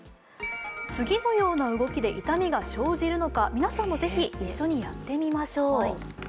次のような動きで痛みが生じるのか皆さんもぜひ一緒にやってみましょう。